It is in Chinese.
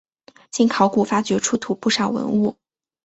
经考古发掘出土不少文物。